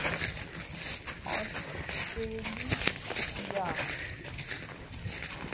Australasia